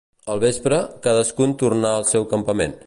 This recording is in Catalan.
Al vespre, cadascun tornà al seu campament.